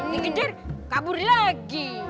dikejar kabur lagi